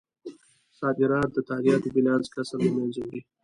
صادرات د تادیاتو بیلانس کسر له مینځه وړي.